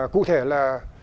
cụ thể là